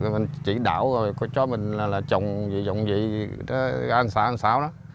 mình chỉ đạo rồi có cho mình là chồng gì dòng gì anh xã anh xáo đó